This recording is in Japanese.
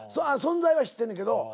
存在は知ってんねんけど。